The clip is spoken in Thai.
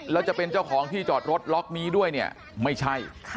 แล้วจะเป็นเจ้าของที่จอดรถล็อกนี้ด้วยเนี่ยไม่ใช่